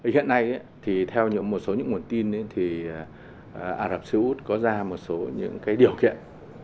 hiện nay theo một số những nguồn tin thì ả rập xê út có ra một số những điều kiện